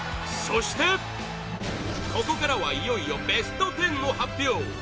そして、ここからはいよいよベスト１０の発表！